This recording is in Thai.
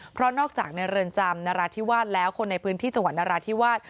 เพราะนอกจากในเรือนจำนราธิวาสแล้วคนในพื้นที่จังหวัดนราธิวาส